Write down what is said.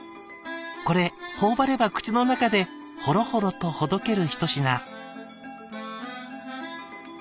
これ頬張れば口の中でホロホロとほどける一品」。